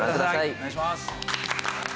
お願いします。